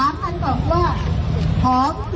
มันตรวจตอบแล้ว